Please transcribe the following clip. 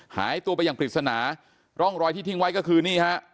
หายตัวไปอย่างปริศนาร่องรอยที่ทิ้งไว้ก็คือนี่ฮะ